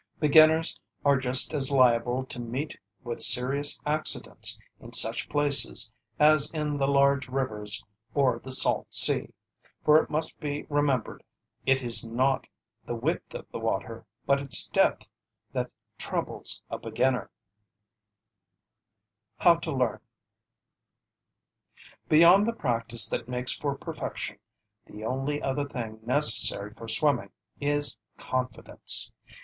Beginners are just as liable to meet with serious accidents in such places as in the large rivers or the salt sea. For it must be remembered it is not the width of the water, but its depth, that troubles a beginner. HOW TO LEARN Beyond the practice that makes for perfection, the only other thing necessary for swimming is confidence.